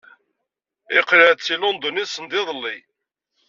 Yeqleɛ-d seg London sendiḍelli.